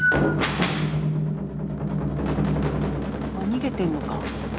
逃げてるのか。